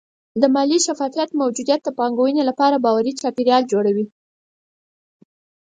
د مالي شفافیت موجودیت د پانګونې لپاره باوري چاپېریال جوړوي.